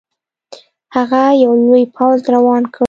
هغه یو لوی پوځ روان کړ.